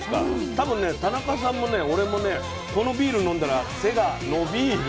多分ね田中さんもね俺もねこのビール飲んだら背が伸「びーる」。